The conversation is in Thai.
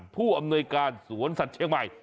ผู้อำนวยการสวนสัตว์เชียงใหม่